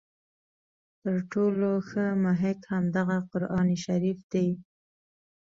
تر ټولو ښه محک همدغه قرآن شریف دی.